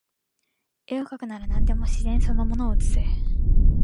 画をかくなら何でも自然その物を写せ